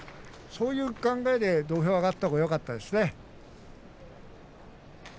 そういう考えで土俵に上がったらよかったですね。